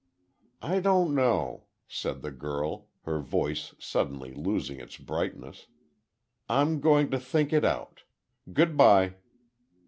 "I don't know," said the girl, her voice suddenly losing its brightness. "I'm going to think it out. Good by."